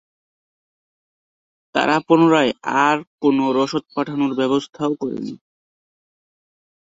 তারা পুনরায় আর কোন রসদ পাঠানোর ব্যবস্থাও করেনি।